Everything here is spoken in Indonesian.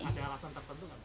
ada alasan tertentu gak